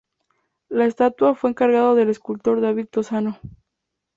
La estatua fue encargado al escultor David Lozano.